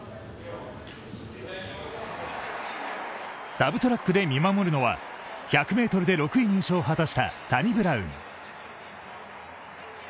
サブトラックで見守るのは１００ｍで６位入賞を果たしたサニブラウン。